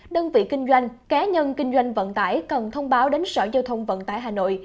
đơn vị kinh doanh cá nhân kinh doanh vận tải cần thông báo đến sở giao thông vận tải hà nội